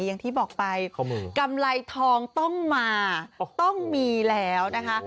อย่างที่บอกไปกำไรทองต้องมาต้องมีแล้วนะคะ